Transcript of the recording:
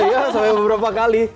iya sampai beberapa kali